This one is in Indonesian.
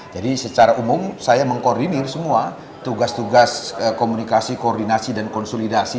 jadi secara umum saya mengkoordinir semua tugas tugas komunikasi koordinasi dan konsolidasi